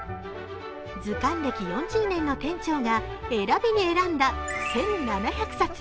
図鑑歴４０年の店長が選びに選んだ１７００冊。